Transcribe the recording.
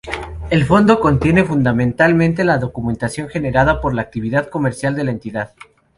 El fondo contiene fundamentalmente la documentación generada por la actividad comercial de la entidad.